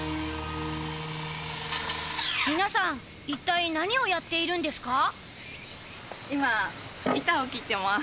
皆さん一体何をやっているんですか？